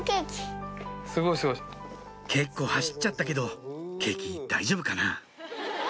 結構走っちゃったけどケーキ大丈夫かな？